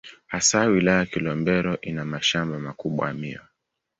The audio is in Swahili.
Hasa Wilaya ya Kilombero ina mashamba makubwa ya miwa.